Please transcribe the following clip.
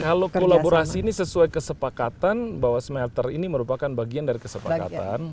kalau kolaborasi ini sesuai kesepakatan bahwa smelter ini merupakan bagian dari kesepakatan